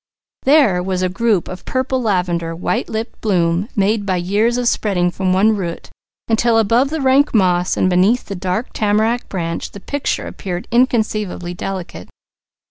"There" was a group of purple lavender, white lipped bloom, made by years of spreading from one root, until above the rank moss and beneath the dark tamarack branch the picture appeared inconceivably delicate.